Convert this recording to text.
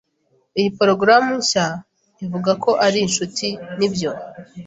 Iyi porogaramu nshya ivuga ko ari inshuti. Nibyo.